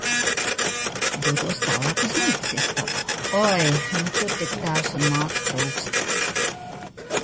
Dodos tālāk uz meitas istabu. Oi, nu tur tik tēvs un māte trūkst.